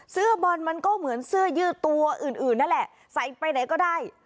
เสื้อบอลมันก็เหมือนเสื้อยืดตัวอื่นนั่นแหละใส่ไปไหนก็ได้